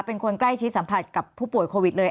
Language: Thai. เป็นคนใกล้ชิดสัมผัสกับผู้ป่วยโควิดเลย